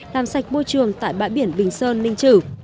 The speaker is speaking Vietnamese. làm sạch môi trường tại bãi biển bình sơn ninh chử